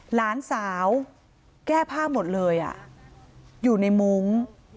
หลานสาวแก้ผ้าหมดเลยอยู่ในมุ้ง